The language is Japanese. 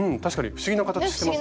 不思議な形してますね。